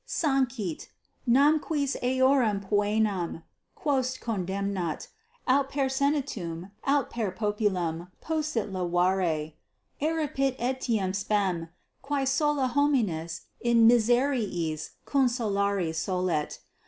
Sancit, ne quis eorum poenam, quos condemnat, aut per senatum aut per populum possit levare: eripit etiam spem, quae sola homines in miseriis consolari solet.